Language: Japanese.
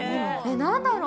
何だろう。